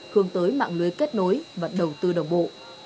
hướng tới mạng lưới kết nối và đầu tư đồng bộ